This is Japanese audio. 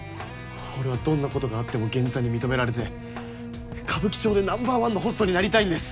俺はどんなことがあってもゲンジさんに認められて歌舞伎町でナンバーワンのホストになりたいんです